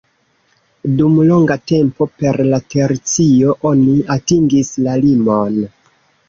Dum longa tempo per la tercio oni atingis la limon.